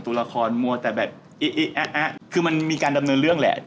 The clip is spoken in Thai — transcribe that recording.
ตัวละครมัวแต่แบบเอ๊ะคือมันมีการดำเนินเรื่องแหละ